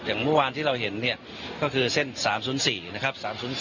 อย่างเมื่อวานที่เราเห็นเนี่ยก็คือเส้น๓๐๔นะครับ